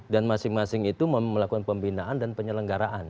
masing masing itu melakukan pembinaan dan penyelenggaraan